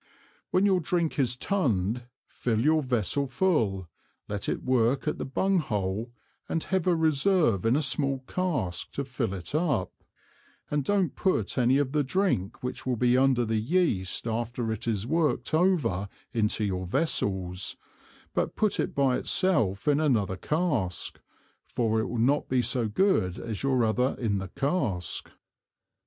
When your Drink is Tunn'd, fill your Vessel full, let it work at the Bung hole, and have a reserve in a small Cask to fill it up, and don't put any of the Drink which will be under the Yeast after it is work'd over into your Vessels, but put it by itself in another Cask, for it will not be so good as your other in the Cask.